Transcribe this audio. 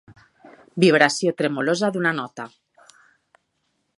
Vibració tremolosa d'una nota